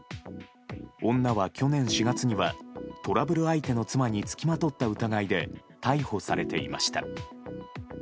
女は去年４月にはトラブル相手の妻に付きまとった疑いで逮捕されていました。